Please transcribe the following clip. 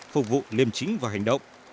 phục vụ liềm chính và hành động